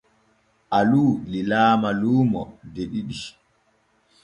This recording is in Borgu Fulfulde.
Alu lilaama luumo de ɗiɗi.